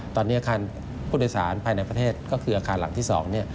ตอนนี้อาคารผู้โดยสารภายในประเทศก็คืออาคารหลังที่๒